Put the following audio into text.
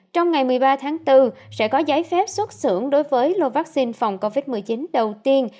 trong ngày một mươi ba tháng bốn sẽ có giấy phép xuất xưởng đối với lô vaccine phòng covid một mươi chín đầu tiên